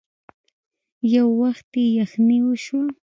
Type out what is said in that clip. يو وخت يې يخنې وشوه.